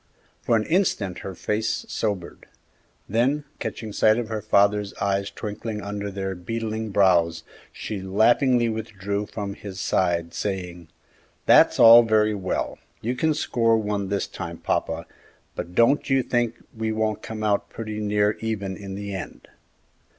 For an instant her face sobered; then catching sight of her father's eyes twinkling under their beetling brows, she laughingly withdrew from his side, saying, "That's all very well; you can score one this time, papa, but don't you think we won't come out pretty near even in the end!"